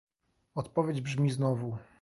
Odpowiedź brzmi znowu